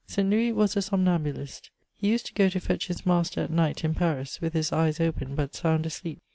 St. Louis was a somnambulist ; he used to go to fetch his master at night in Paris, with his eyes open, but sound asleep.